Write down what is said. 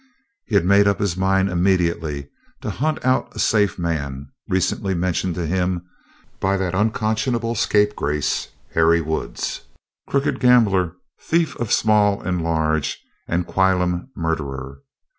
He had made up his mind immediately to hunt out a "safe" man, recently mentioned to him by that unconscionable scapegrace Harry Woods, crooked gambler, thief of small and large, and whilom murderer.